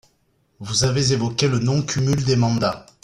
Vous avez évoqué le non-cumul de mandats.